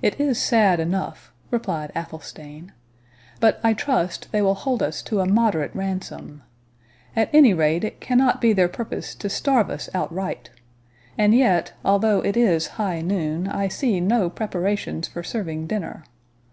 "It is sad enough," replied Athelstane; "but I trust they will hold us to a moderate ransom—At any rate it cannot be their purpose to starve us outright; and yet, although it is high noon, I see no preparations for serving dinner.